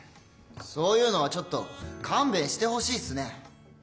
そういうのはちょっとかんべんしてほしいっすね。